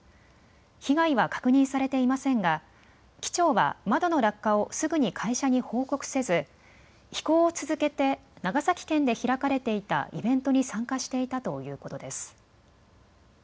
被害は確認されていませんが機長は窓の落下をすぐに会社に報告せず飛行を続けて長崎県で開かれていたイベントに参加していたということです。